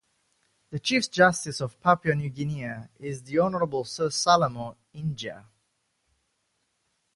The Chief Justice of Papua New Guinea is The Honourable Sir Salamo Injia.